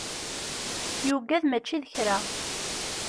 Yugad mačči d kra.